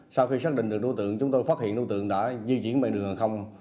sau khi xác định được đối tượng chúng tôi phát hiện đối tượng đã di chuyển bên đường hàng không